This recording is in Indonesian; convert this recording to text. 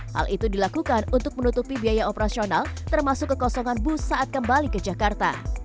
hal itu dilakukan untuk menutupi biaya operasional termasuk kekosongan bus saat kembali ke jakarta